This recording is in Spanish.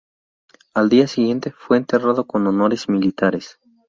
Al día siguiente, fue enterrado con honores militares.